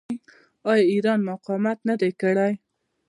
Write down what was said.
آیا ایران مقاومت نه دی کړی؟